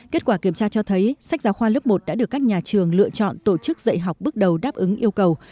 kết quả kiểm tra cho thấy sách giáo khoa lớp một đã được các nhà trường lựa chọn tổ chức dạy học bước đầu đáp ứng yêu cầu